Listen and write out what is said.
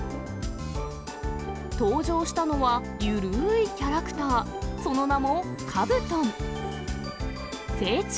登場したのは、ゆるーいキャラクター、その名も、カブトン。